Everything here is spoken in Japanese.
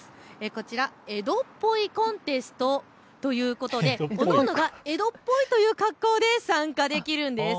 こちら、江戸っぽいコンテストということで江戸っぽい格好で参加できるんです。